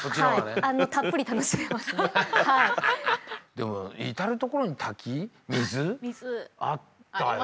でも至る所に滝水あったよね。